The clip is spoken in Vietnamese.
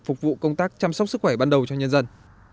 phục vụ công tác chăm sóc sức khỏe ban đầu cho nhân dân